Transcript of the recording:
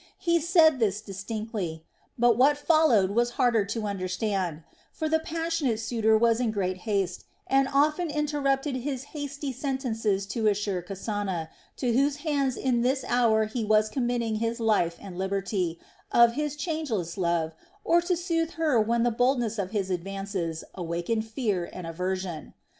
He said this distinctly, but what followed was harder to understand; for the passionate suitor was in great haste and often interrupted his hasty sentences to assure Kasana, to whose hands in this hour he was committing his life and liberty, of his changeless love, or to soothe her when the boldness of his advances awakened fear and aversion.